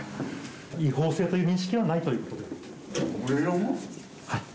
違法性という認識はないということ？